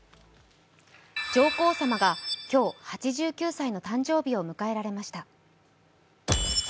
上皇さまが今日、８９歳の誕生日を迎えられました。